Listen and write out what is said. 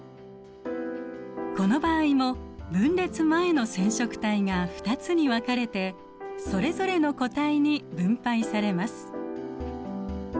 この場合も分裂前の染色体が２つに分かれてそれぞれの個体に分配されます。